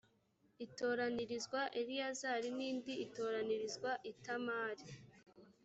itoranirizwa eleyazari n indi itoranirizwa itamari